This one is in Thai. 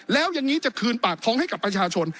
แล้วอย่างนี้จะคืนปากท้องให้กับประชาชน